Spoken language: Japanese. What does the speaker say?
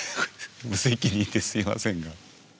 無責任ですいませんが。